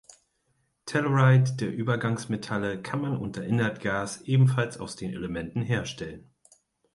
Telluride der Übergangsmetalle kann man unter Inertgas ebenfalls aus den Elementen herstellen.